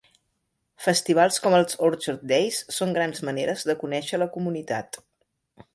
Festivals com els Orchard Days són grans maneres de conèixer la comunitat.